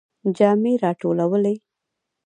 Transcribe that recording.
جامی را ټولوئ؟